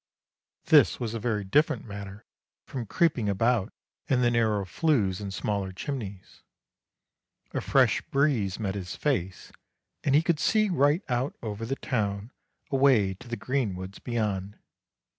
' this was a very different matter from creeping about in the narrow flues and smaller chimneys. A fresh breeze met his face, and he could see right out over the town away to the green woods beyond.